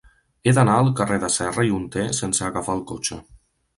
He d'anar al carrer de Serra i Hunter sense agafar el cotxe.